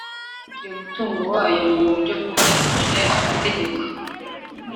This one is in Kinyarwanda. Yafatiriye umutungo wayo mu buryo bwubahirije amategeko